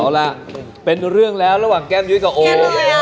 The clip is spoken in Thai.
เอาล่ะเป็นเรื่องแล้วระหว่างแก้มยุ้ยกับโอ